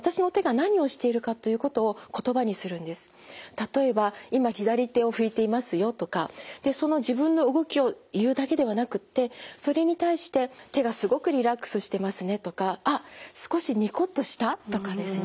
例えば「今左手を拭いていますよ」とかでその自分の動きを言うだけではなくってそれに対して「手がすごくリラックスしてますね」とか「あっ少しニコッとした？」とかですね